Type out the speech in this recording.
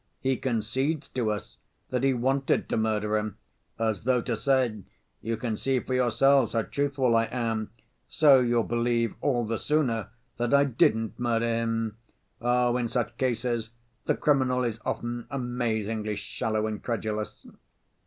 He concedes to us that he wanted to murder him, as though to say, you can see for yourselves how truthful I am, so you'll believe all the sooner that I didn't murder him. Oh, in such cases the criminal is often amazingly shallow and credulous.